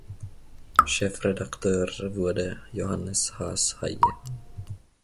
Chefredakteur wurde Johannes Haas-Heye.